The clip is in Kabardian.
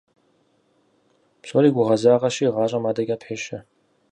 Псори гугъэзагъэщи, гъащӀэм адэкӀэ пещэ.